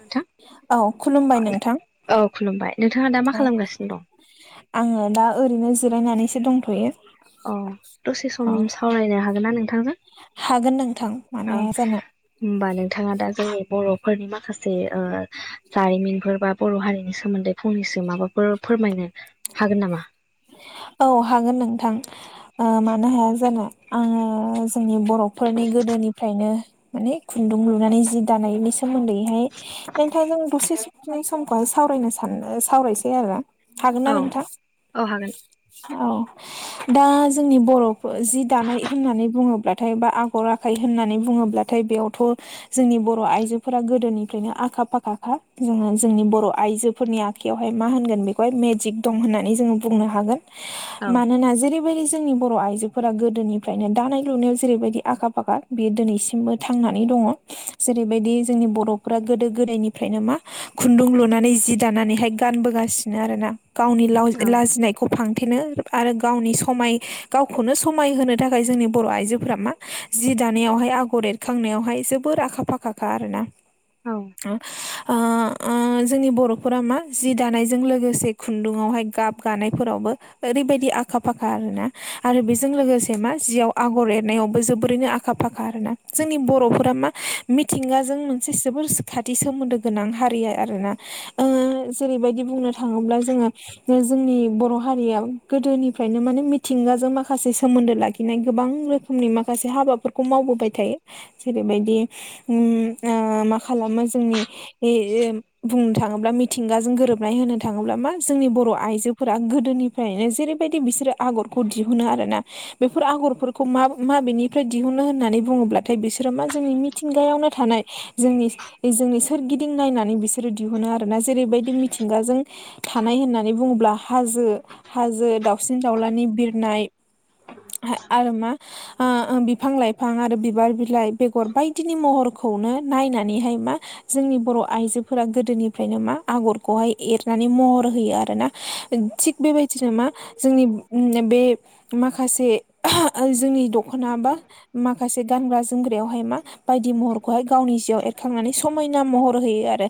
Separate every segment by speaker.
Speaker 1: नोंथां
Speaker 2: औ खुलुमबाय नोंथां
Speaker 1: औ खुलुमबाय नोंथाङा दा मा
Speaker 2: अ
Speaker 1: खालामगासिनो दं
Speaker 2: आङो दा ओरैनो जिरायनानैसो दंथयो
Speaker 1: अ दसे सम
Speaker 2: अ
Speaker 1: सावरायनो हागोन ना नोंथांजों
Speaker 2: हागोन नोंथां मानो हाया जानो
Speaker 1: होमबा नोंथाङा दा जोंनि बर'फोरनि माखासे जारिमिनफोर बा बर' हारिनि सोमोन्दै फंनैसो माबाफोर फोरमायनो हागोन नामा
Speaker 2: औ हागोन नोंथां मानो हाया जानो आङो जोंनि बर'फोरनि गोदोनिफ्रायनो माने खुन्दुं लुनानै जि दानायनि सोमोन्दैहाय नोंथां जों दसे समखौहाय सावरायनो सान सावरायसै आरोोना हागोन
Speaker 1: औ
Speaker 2: ना नोंथां
Speaker 1: औ हागोन
Speaker 2: औ दा जोंनि बर' जि दानाय होननानै बुङोब्लाथाय बा आगरा आखाइ होननानै बुङोब्लाथाय बेयावथ' जोंनि बर' आइजोफोरा गोदोनिफ्रायनो आखा फाखाखा जोङो जोंनि बर' आइजो नि आ म म दनानै ज ह
Speaker 1: औ
Speaker 2: मान ज बेबायदि जोंनि बर' आइजोफोरा गोदोनिफ्रायनो दानाय लुनायाव जेरैबायदि आखा फाखा बियो दिनैसिमबो थांनानै दङ जेरैबायदि जोंनि बर'फ गोदो गोदायनिफ्रायनो मा खुन्दुं लुनानै जि दानानैहाय गानबोगासिनो आरो ना गावनि
Speaker 1: औ
Speaker 2: लाजिनायखौ फां खाेनो आरो गावनि समाय गावखौनो समायहोनो थाखाय जोंनि बर' आइजोफोरा मा जि दानायावहाय आगर एरखांनायावहाय जोबोर आखा फाखाखा आर ना ओ जोंनि बर'फोरा मा जि दानायजों लोगोसे खुन्दुङआवहाय गाब गानायफोरावबो ओरैबायदि आखा फाखा आर ना आरो बेजों लोगोसे मा जियाव आगर एरनायावबो जोबोरैनो आ आखा फाखा आरोना जोंनि बरफोरा मा मिथिंगाजों मोनसे जोबोर खाथ बिदि सोमोन्दो गोनां हारिया आरोना। ओ-जेरैबायदि बुंनो थाङोब्ला जोङो जोंनि बर हारियाव गोदोनिफ्रायनो माने मिथिंगाजों माखासे सोमोन्दो लाखिनाय गोबां रोखोमनि माखासे हाबाफोर खौ मावबोबाय थायो जेरैबायदि माओ-खालामो जोंनि बुंनो थाङोब्ला मिथिंगाजों गोरोबनाय होनो थाङोब्ला मा जोंनि बर आइजोफोरा गोद दोनिफ्रायनो जेरैबायदि बिसोरो आगरखौ दिहुनो आरो ना। बेफोर आगरफोरखौ मा माबेनिफ्राय दिहुनो होननानै बुङोब्लाथाय बिसोरो मा जोंनि थिंगायावनो थानाय जोंनि। जोंनि सोरगिदिं नायनानै बिसोरो दिहुनो आरो ना जेरैबायदि मिथिंगाजों। थानाय होननानै बुङोब्ला हाजो हाजो दाावसिन दाउलानि बिरनाय। आह आरो मा? ओ-बिफां लाइफां आरो बिबार बिलाइ बेगर बायदिनि महरखौनो नायनानैहाय मा। जोंनि बर आइजोफोरा गोदोनिफ्रायनो मा आगरखौहाय एरनानै महर होयो आरोना थिग बेबायदिनो मा जोंनि बे माखासे आह जोंनि दखना बा माखासे गानग्रा जोमग्रायावहाय मा। बायदि महरखौहाय गावनि जिआव एरखांनानै समायना महर होयो आरो।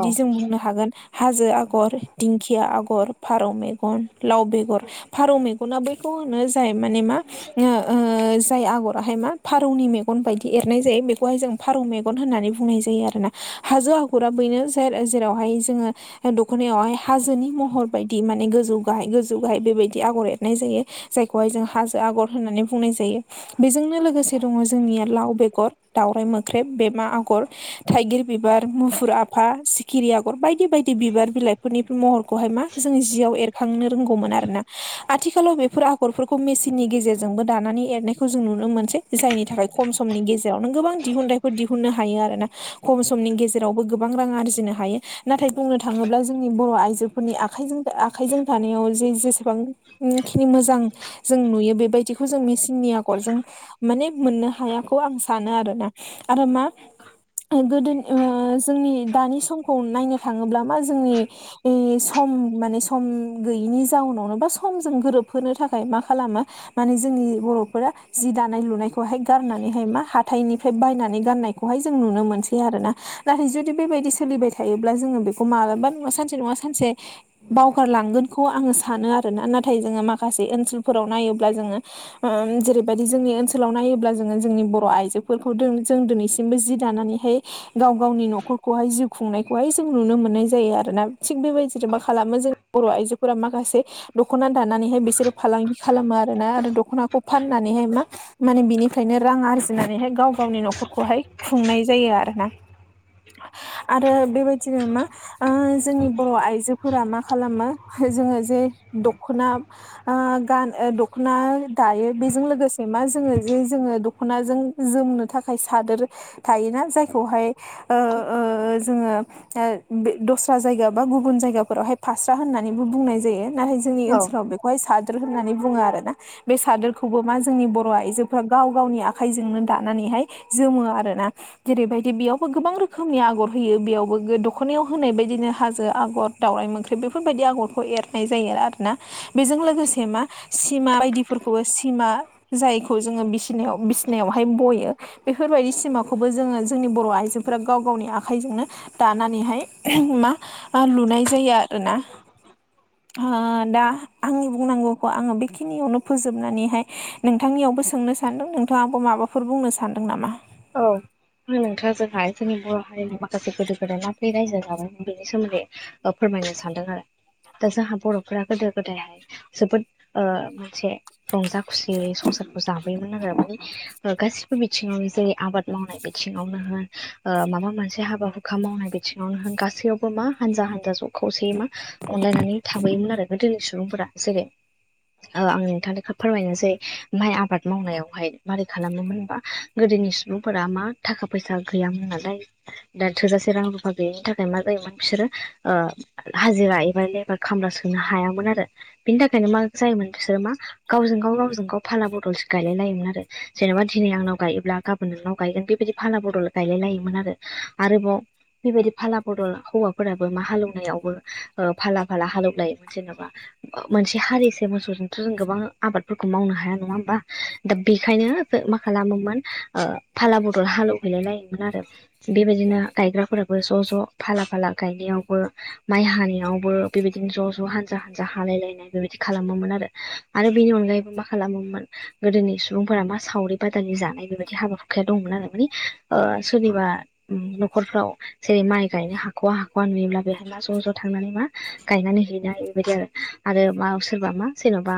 Speaker 1: औ
Speaker 2: जों बुंनो हागोन हाजो आगर दिंखिया आगर। फारौ मेगन लाव बेगर फारौ मेगना बेखौ होनो जाय माने मा ओ ओ-जाय आगरावहाय मा फारौनि मेगन बायदि एरनाय जायो बेखौहाय जों फारौ मेगन होननानै बुंनाय जायो आरो ना। हाजो आगरा बेनो ज जेरावहाय जोङो दखनायावहाय हाजोनि महर बायदि माने गोजौ गाहाय गोजौ गाहाय बेबायदि आगर एरनाय जायो। जायखौहाय जों हाजो आगर होननानै बुंनाय जायो बेजोंनो लोगोसे। दङ जोंनिया लाव बेगर दाावराइ मोख्रेब बेमा आग। थाइगिर बिबार मुफुर आफा सिखिरि आगर बायदि बायदि बिबार बिलाइफोरनि महरखौहाय मा। जों जियाव एरखांनो रोंगौमोन आरोना आथिखालाव बेफोर आगरफोरखौ मेसिननि गेजेरजोंबो दानानै एरनाय जों नुनो मोनसेै जायनि थाखाय खम समनि गेजेरावनो गोबां दिहुनथाइफोर दिहुननो हायो आरो ना। खम समनि गेजेरावबो गोबां रां आरजिनो हायो नाथाय बुंनो थाङोब्ला जोंनि बर आइजोफोरनि आ आखाइजों थानायाव जे जेसेबांखिनि मोजां। जों नुयो बेबायदिखौ जों मेचननि आगरजों। माने मोननो हायाखौ आं सानो आरोना आरो मा। गोदो ओ-जोंनि दानि समखौ नायनो थाङोब्ला मा जोंनि। ए सम माने सम गैयिनि जाउनावनो बा समजों गोरोबहोनो थाखाय मा खालामो। माने जोंनि बरफोरा जि दानाय लुनायखौहाय गारनानैहाय मा हाथाइनिफ्राय बायनानै गाननाय। खौहाय जों नुनो मोनसै आरोोशना नाथाय जुदि बेबायदि सोलिबाय थायोब्ला जोङो बेखौ मालाबा नङा सानसे नङा सानसे। बावगारलांगोनखौ आङो सानो आरोना नाथाय जोङो माखासे ओनसोलफोराव नायोब्ला जोङो। जेरैबायदि जोंनि ओनसोलाव नायोब्ला जोङो जोंनि बर आइजोफोरखौ जों दिनैसि सिमबो जि दानानैहाय। गाव गावनि नखरखौहाय जिउ खुंनायखौहाय जों नुनो मोननाय जायो आरो ना थिग बेबायदि सोरबा खालामो जों बर आइजोफोरा माखासे दखना दानानैहाय बिसोरो फालांगि खालामो आरोना आरो दखनाखौ फाननानैहाय मा। माने बिनिफ्रायनो रां आरजिनानैहाय गाव गावनि नखरखौहाय खुंनाय जायो आरो ना। आरो बेबायदिनो मा ओ-जोंनि बर आइ आइजोफोरा मा खालामो जोङो जे दखना। ओ-गान दखना दायो बेजों लोगोसे मा जोङो ज जोङो दखनाजों। जोमनो थाखाय सादोर थायोना जायखौहाय। ओ-जोङो बे दस्रा जायगा बा गुब जय फोरावहाय फास्रा होननानैबो बुंनाय जायो नाथाय जोंनि
Speaker 1: औ
Speaker 2: ओनसोलाव बेखौहाय साद्र होननानै बुङो आर ना। बे सादोरखौबो मा जोंनि बर आइजोफ्रा गाव गावनि आखाइजोंनो दानानैहाय। जोमो आरोना जेरैबायदि बेयावबो गोबां रोखोमनि आगर होयो बेयावबो दख'नायाव होनाय बायदिनो हाजो आगर दावराइ मोंख्रेब बेफोरबायदि आगरखौ एरनाय जायो आरोना बेजों लोगोसे मा सिमा बायदिफोरखौबो सिमा जायखौ जोङो बिसिनायाव बिसिनायावहाय बयो बेफोरबायदि सिमाखौबो जोङो जोंनि बर' आइजोफोरा गाव गावनि आखाइजोंनो दानानैहाय मा लुनाय जायो आरोना
Speaker 1: [inaudible]
Speaker 2: दा आंनि बुंनांगौखौ आङो बेखिनियावनो फोजोबनानैहाय नोंथांनियावबो सोंनो सान्दों नोंथाङाबो माबाफोर बुंनो सानदों नामा
Speaker 1: औ नोंथां जोंहाय जोंनि बर' हारिनि माखासे गोदो गोदाय माबोरै रायजो जाबायमोन बेनि सोमोन्दै फोरमायनो सानदों आरो दा जोंहा बर'फोरा गोदो गोदायहाय जोबोद ओ मोनसे रंजा खुसियै संसारखौ जाबोयोमोन आरो माने गासिबो बिथिङावनो जे आबाद मावनाय बिथिङावनो होन माबा मोनसे हाबा हुखा मावनाय बिथिङावनो होन गासैयाव मा हानजा हानजा ज खौसेयै मा अनलायनानै थाबोयोमोन आरो गोदोनि सुबुंफोरा जेरै आं नोंथांनिखौ फोरमायनोसै माइ आबाद मावनायावहाय मारै खालामोमोन होनबा गोदोनि सुबुंफोरा मा थाखा फैसा गैयामोन नालाय दा थोजासे रां रुफा गैयिनि थाखाय मा जायोमोन बिसोरो हाजिरा एबा लेबार खामला सोंनो हायामोन आरो बिनि थाखायनो मा जायोमोन बिसोरो मा गावजों गाव गावजों गाव फाला बदलसो गायलाय लायोमोन आरो जेनेबा दिनै आंनाव गायोब्ला गाब फोन नोंनाव गायगोन बेबायदि फाला बदल गायलाय लायोमोन आरोबाव बेबायदि फाला बदल हौवाफोराबो मा हालेवनायावबो ओ फाला फाला हालेवलायोमोन जेन'बा मोनसे हालिसे मोसौजोंथ' जों गोबां आबादफोरखौ मावनो हाया नङा होमबा दा बेखायनो मा खालामोमोन फाला बदल हालेवहैलाय लायोमोन आरो बेबायदिनो गायग्राफोराबो ज' ज' फाला फाला गायनायावबो माइ हानायावबो बेबायदिनो ज' ज' हानजा हानजा हालायलायनाय बेबायदि खालामोमोन आरो बेनि अनगायैबो मा खालामोमोन गोदोनि सुबुंफोरा मा सावरि बादालि जानाय बे बिदि हाबा हुखाया दंमोन आरो मानि ओ सोरनिबा न'खरफ्राव जेरै माइ गायनो हाखवा हाख'वा नुयोब्ला बे मा ज' ज' थांनानै मा गायनानै हैनाय बेबायदि आरो आरो मा सोरबा मा जेन'बा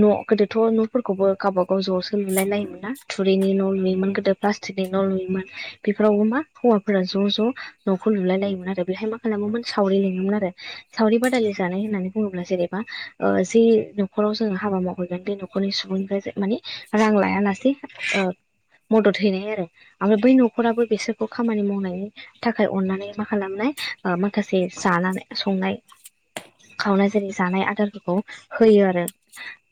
Speaker 1: न' गोदोथ' न'फोरखौबो गावब गाव ज'सो लुलाय लायोमोन ना थुरैनि न' लुयोमोन गोदो प्लास्टिकनि न' लुयोमोन बेफोरावबो मा हौवाफोरा ज' ज' न'खौ नुलायलायोमोन आरो बेहाय मा खालामोमोन सावरि लिङोमोन आरो सावरि बादालि जानाय होननानै बुङोब्ला जेनेबा जे न'खराव जोङो हाबा मावहरगोन बे नखर नखरनि सुबुंनिफ्राय मानिे रां लायालासै ओ मदद हैनाय आरो ओमफ्राय बै न'खराबो बिसोरखौ खामानि मावनायनि थाखाय अननानै मा खालामनाय माखासे जानानै संनाय खावनाय जेरै जानाय आदारफोरखौ होयो आरो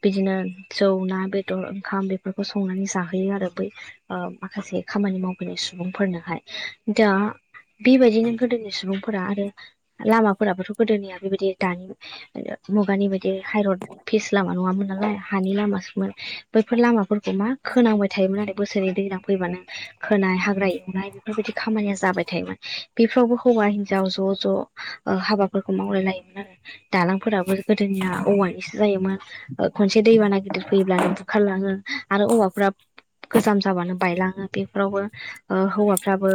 Speaker 1: बिदिनो जौ ना बेदर ओंखाम बेफोरखौ संनानै जाहोयो आरो बै माखासे खामानि मावबोनाय सुबुंफोरनोहाय दा बेबायदिनो गोदोनि सुबुंफोरा आरो लामाफोराबोथ' गोदोनिया बेबायदि दानि मुगानि बायदि हायरद फिस लामा नङामोन नालाय हानि लामासोमोन बैफोर लामाफोरखौ मा खोनांबाय थायोमोन आरो बोसोरै दैज्लां फैबानो खोनाय हाग्रा एवनाय बेफोरबायदि खामानिया जाबाय थायोमोन बेफोरावबो हौवा हिनजाव ज' ज' हाबाफोरखौ मावलाय लायोमोन आरो दालांफोराबो गोदोनिया औवानिसो जायोमोन खनसे दैबाना गिदिर फैयोब्लानो बुखारलाङो आरो औवाखौ फुराब गोजाम जाबानो बायलाङो, बेफोरावबो ओ हौवाफ्राबो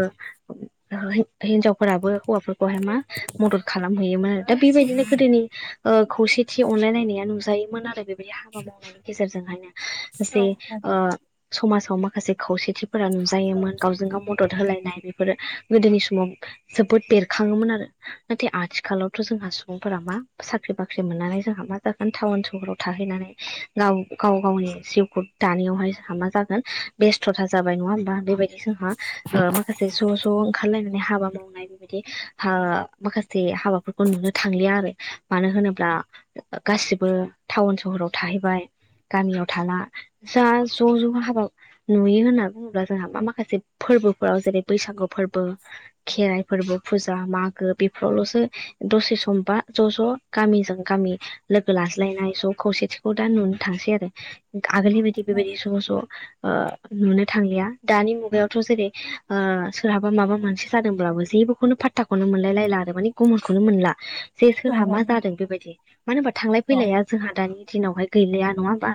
Speaker 1: हिनजावफोराबो हौवाफोरखौहाय मा मदद खालामहैयोमोन आरो दा बेबायदिनो गोदोनि खौसेथि अनलायलायनाया नुजायोमोन आरो बेबायदि हाबा मावनायनि गेजेरजोंहायनो जे [unintelligible] समाजाव माखासे खौसेथिफोरा नुजायोमोन गावजों गाव मदद होलायनाय बेफोरो गोदोनि समाव जोबोद बेरखाङोमोन आरो। नाथाय आथिखालावथ' जोंहा सुबुंफोरा मा साख्रि बाख्रि मोननानै जोंहा मा जागोन टाउन सहराव थाहैनानै गाव गाव गावनि सिउखौ दानियावहाय जोंहा मा जागोन बेस्थ'था जाबाय नङा होमबा बेबायदि जोंहा माखासे ज ज' ओंखारलायनानै हाबा मावनाय बिदि ओ माखासे हाबाफोरखौ नुनो थांलिया आरो मानो होनोब्ला गासिबो टाउन सहराव थाहैबाय गामियाव थाला जा ज' ज' हाबा नुयो होनना बुङोब्ला जोंहा मा माखासे फोरबोफोराव जेरै बैसागु फोरबो। खेराइ फोरबो फुजा मागो बेफोरावल'सो दसे समबा ज' ज' गामिजों गामि लोगो लाज्लायनाय स' खौसेथिखौ दा नुनो थांसै आरो। बायदि बेबायदि ज -ज नुनो थांलिया दानि मुगायावथ' जेरै सोरहाबा माबा मोनसे जादोंब्लाबो जेबोखौनो फाथ हथाखौनो मोनलायलायला आरो माने गुमुनखौनो मोनला जे सोरहा मा जादों बेबायदि मानो होनबा थांलाय
Speaker 2: औ
Speaker 1: फैलाया जोंहा दानि दिनावहाय गैलिया नङा होमबा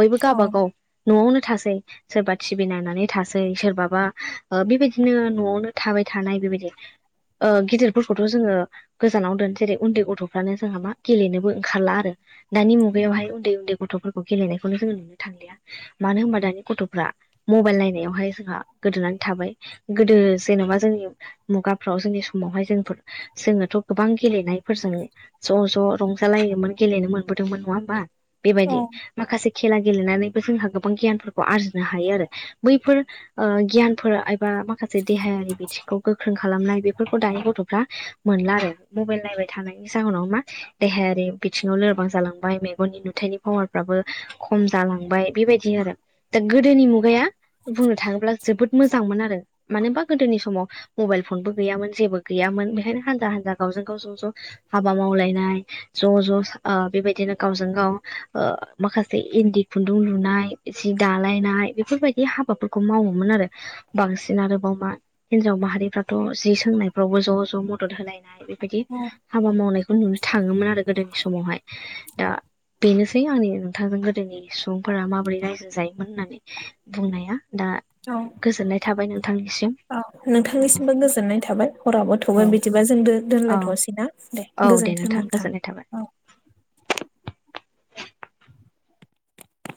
Speaker 1: बयबो
Speaker 2: औ
Speaker 1: गावबागाव न'आवनो थासै सोरबा टिभि नायनानै थासै सोरबाबा बेबायदिनो न'आवनो थाबाय थानाय बेबायदि गिदिरफोरखौथ' जोङो गोजानाव दोन जेरै उन्दै गथ'फ्रानो जोंहा मा गेलेनोबो ओंखारला आरो। दानि मुगायावहाय उन्दै उन्दै गथ'फोरखौ गेलेनायखौनो जोङो नुनो थांलिया। मानो होनबा दानि गथ'फ्रा मबाइल नायनायावहाय जोंहा गोदोनानै थाबाय। गोदो जेन'बा जोंनि मुगाफ्राव जोंनि समावहाय जोंफोर जोङोथ' गोबां गेलेनायफोरजों ज' ज' रंजालायोमोन गेलेनो मोनबोदोंमोन नङा होमबा बेबायदि
Speaker 2: औ
Speaker 1: माखासे खेला गेलेनानैबो जोंहा गोबां गियानफोरखौ आरजिनो हायो आरो बैफोर गियानफोर एबा माखासे देहायारि बिथिंखौ गोख्रों खालामनाय बेफोरखौ दानि गथ'फ्रा मोनला आरो मबाइल नायबाय थानायनि जाहोनाव मा देहायारि बिथिङाव लोरबां जालांबाय मेगननि नुथायाइनि पावारफ्राबो खम जालांबाय बेबायदि आरो दा गोदोनि मुगाया बुंनो थाङोब्ला जोबोद मोजांमोन आरो मानो होनबा गोदोनि समाव मबाइल फनबो गैयामोन जेबो गैयामोन बेखायनो हान्जा हान्जा गावजों गाव ज' ज' हाबा मावलायनाय ज' ज'ओ बेबायदिनो गावजों गाव ओ माखासे इन्दि खुन्दुं लुनाय जि दालायनाय बेफोरबायदि हाबाफोरखौ मावोमोन आरो। बांसिन आरोबाव मा हिनजाव माहारिफ्राथ' जि सोंनायफ्रावबो ज' ज' मदद होलायनाय। बेबायदि। हाबा मावनायखौ नुनो थाङोमोन आरो गोदोनि समावहाय दा बेनोसै आंनि थागोन गोदोनि सुबुंफोरा माबोरै रायजो जायोमोन होननानै बुंनाया दा
Speaker 2: औ
Speaker 1: गोजोननाय थाबाय नोंथांनिसिम
Speaker 2: औ
Speaker 1: औ
Speaker 2: नोंथांनिसिमबो गोजोननाय थाबाय हराबो थौबाय
Speaker 1: औ
Speaker 2: बिदि जों
Speaker 1: औ
Speaker 2: दोनलायथ'सै ना दे।
Speaker 1: औ दे
Speaker 2: गोजोन्थों
Speaker 1: नोंथां गोजोननाय थाबाय।
Speaker 2: औ